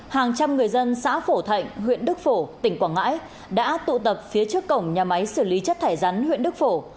hàng trăm người dân xã phổ thạnh huyện đức phổ tỉnh quảng ngãi đã tụ tập phía trước cổng nhà máy xử lý chất thải rắn huyện đức phổ